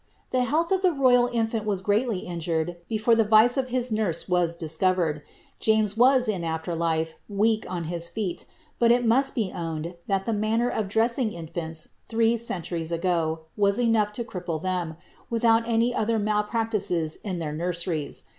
The health of the royal infant was greatly injured before the vice of his nurse was discovered. James was, in afier life, weak on his feet; but it must be owned, that the manner of dressing infants, three centuries ago, was enough to cripple them, without any other malpractices in their nurse ries.